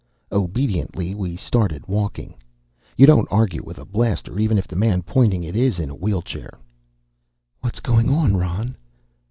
Obediently, we started walking. You don't argue with a blaster, even if the man pointing it is in a wheelchair. "What's going on, Ron?"